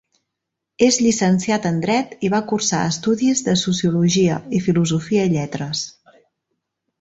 És llicenciat en dret i va cursar estudis de Sociologia i Filosofia i Lletres.